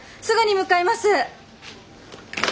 すぐに向かいます。